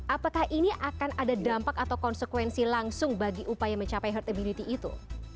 apakah ini akan ada dampak atau konsekuensi langsung bagi upaya mencapai herd immunity itu